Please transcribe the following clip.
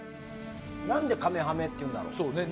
何でカメハメっていうんだろう。